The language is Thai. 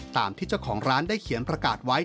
ตามที่เจ้าของร้านได้เขียนประกาศไว้